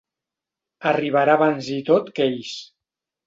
Arribarà abans i tot que ells.